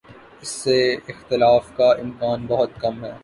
اس سے اختلاف کا امکان بہت کم ہے۔